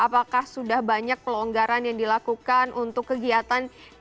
apakah sudah banyak pelonggaran yang dilakukan untuk kegiatan